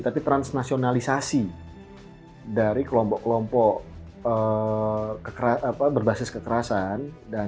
tapi transnasionalisasi dari kelompok kelompok berbasis kekerasan